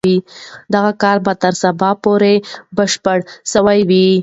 دغه کار به تر سبا پورې بشپړ سوی وي.